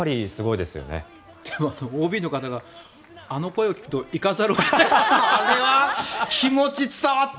でもＯＢの方があの声を聞くと行かざるを得ないって。